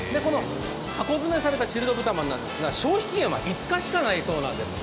箱詰めされたチルド豚まんなんてすが、消費期限は５日したないそうなんです。